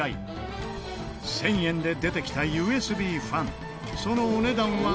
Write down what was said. １０００円で出てきたＵＳＢファンそのお値段は。